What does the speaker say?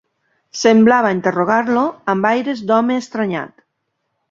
Semblava interrogar-lo amb aires d'home estranyat.